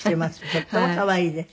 とっても可愛いです。